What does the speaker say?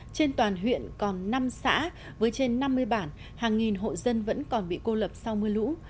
trên toàn huyện còn năm xã với trên năm mươi bản hàng nghìn hộ dân vẫn còn bị cô lập sau mưa lũ